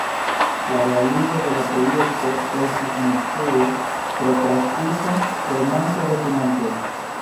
La realigo de la projekto estis multfoje prokrastita pro manko de financoj.